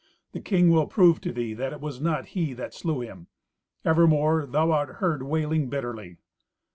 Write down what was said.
The king will prove to thee that it was not he that slew him. Evermore thou art heard wailing bitterly."